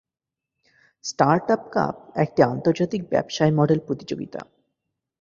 Startup cup একটি আন্তর্জাতিক ব্যবসায় মডেল প্রতিযোগিতা।